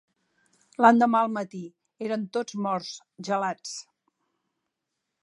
L'endemà al matí eren tots morts, gelats.